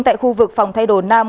tại khu vực phòng thay đồ nam